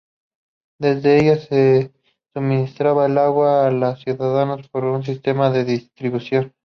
Desde ella se suministra el agua a los ciudadanos por un sistema de distribución.